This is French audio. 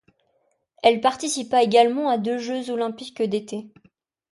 Elle participa également à deux Jeux olympiques d'été.